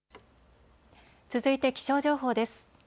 続いて気象情報です。